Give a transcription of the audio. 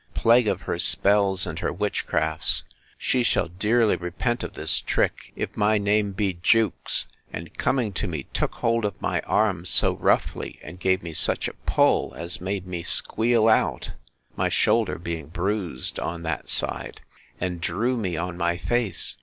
—Plague of her spells, and her witchcrafts! She shall dearly repent of this trick, if my name be Jewkes; and, coming to me, took hold of my arm so roughly, and gave me such a pull, as made me squeal out, (my shoulder being bruised on that side,) and drew me on my face.